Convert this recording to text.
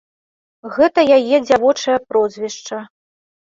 Гэта яе дзявочае прозвішча.